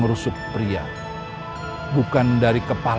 semoga kau enggak akuinern disebut